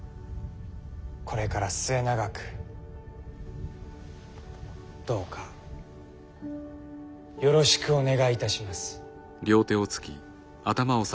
これから末永くどうかよろしくお願いいたします。